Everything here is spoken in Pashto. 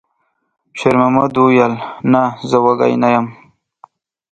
شېرمحمد وویل: «نه، زه وږی نه یم.»